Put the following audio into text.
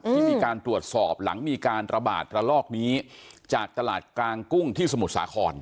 ที่มีการตรวจสอบหลังมีการระบาดระลอกนี้จากตลาดกลางกุ้งที่สมุทรสาคร